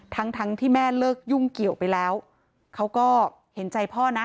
ทั้งทั้งที่แม่เลิกยุ่งเกี่ยวไปแล้วเขาก็เห็นใจพ่อนะ